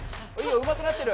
うまくなってる！